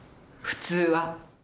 普通は。